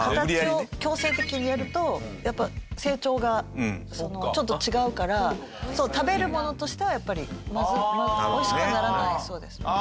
形を強制的にやるとやっぱ成長がちょっと違うから食べるものとしてはやっぱりおいしくはならないそうです。